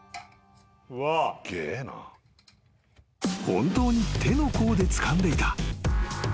［本当に手の甲でつかんでいた］